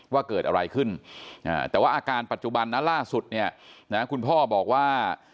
ว่าเกิดอะไรขึ้นแต่ว่าอาการปัจจุบันนะล่าสุดเนี่ยนะคุณพ่อบอกว่า